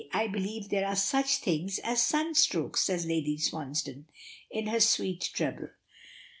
I believe there are such things as sunstrokes," says Lady Swansdown, in her sweet treble.